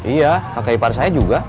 iya kakai par saya juga